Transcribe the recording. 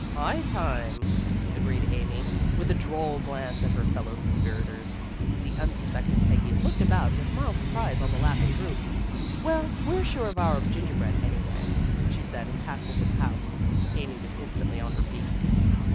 "High time!" agreed Amy with a droll glance at her fellow conspirators. The unsuspecting Peggy looked about with mild surprise on the laughing group. "Well, we're sure of our gingerbread, anyway," she said and passed into the house. Amy was instantly on her feet.